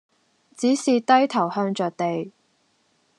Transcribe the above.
只是低頭向着地，